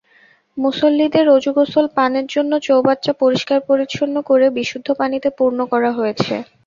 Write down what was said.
মুসল্লিদের অজু-গোসল, পানের জন্য চৌবাচ্চা পরিষ্কার-পরিচ্ছন্ন করে বিশুদ্ধ পানিতে পূর্ণ করা হয়েছে।